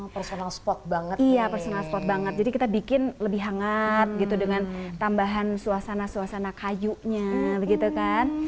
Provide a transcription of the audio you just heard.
personal spot banget ya personal spot banget jadi kita bikin lebih hangat gitu dengan tambahan suasana suasana kayunya begitu kan